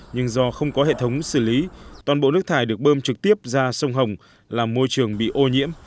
nhưng do không có hệ thống xử lý toàn bộ nước thải được bơm trực tiếp ra sông hồng làm môi trường bị ô nhiễm